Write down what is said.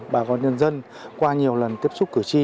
bà con nhân dân qua nhiều lần tiếp xúc cử tri